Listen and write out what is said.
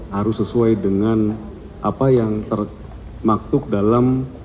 harus sesuai dengan apa yang termaktub dalam